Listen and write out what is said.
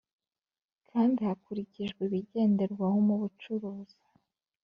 Kandi hakurikijwe ibigenderwaho mu bucuruzi